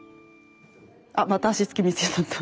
あっまた脚付き見つけちゃった。